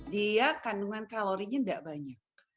dia kandungan kalorinya tidak banyak